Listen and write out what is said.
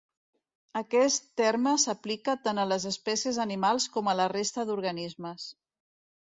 Aquest terme s'aplica tant a les espècies animals com a la resta d'organismes.